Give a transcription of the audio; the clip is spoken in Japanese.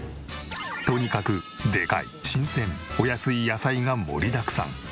とにかくでかい新鮮お安い野菜が盛りだくさん。